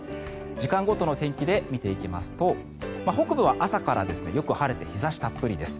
時間ごとの天気で見ていきますと北部は朝からよく晴れて日差したっぷりです。